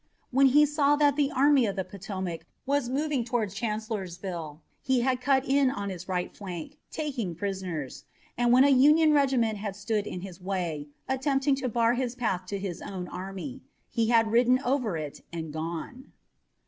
When he saw that the Army of the Potomac was moving toward Chancellorsville he had cut in on its right flank, taking prisoners, and when a Union regiment had stood in his way, attempting to bar his path to his own army, he had ridden over it and gone.